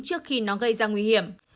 trước khi nó gây ra nguy hiểm